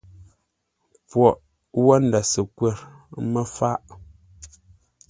Pwoghʼ wó ndə̂ səkwə̂r mə́ fáʼ.